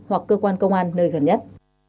hoặc cơ quan công an nơi gần nhất